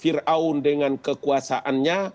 fir'aun dengan kekuasaannya